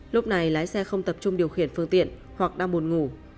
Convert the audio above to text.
lúc này lái xe không tập trung điều khiển phương tiện hoặc đang buồn ngủ